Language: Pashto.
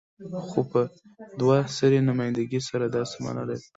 خو په دوه سري نمايندګۍ سره دا څه معنی لري؟